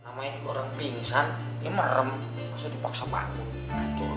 namanya ini orang pingsan ini merem maksudnya dipaksa bangun kacau loh